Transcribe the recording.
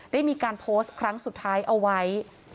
ได้มีการโพสต์ครั้งสุดท้ายเอาไว้